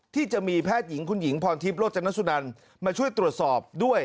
ที่จะมีแพทย์หญิงคุณหญิงพรทิพย์โรจนสุนันมาช่วยตรวจสอบด้วย